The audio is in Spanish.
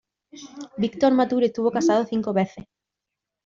Victor Mature estuvo casado cinco veces.